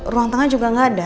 ruang tengah juga nggak ada